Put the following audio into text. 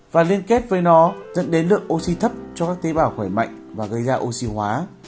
và liên kết với nó dẫn đến lượng oxy thấp cho các tế bào khỏe mạnh và gây ra oxy hóa